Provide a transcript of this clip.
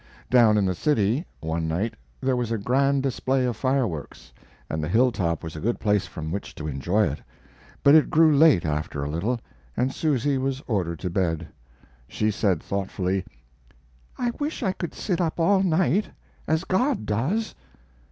Down in the city, one night, there was a grand display of fireworks, and the hilltop was a good place from which to enjoy it; but it grew late after a little, and Susy was ordered to bed. She said, thoughtfully: "I wish I could sit up all night, as God does."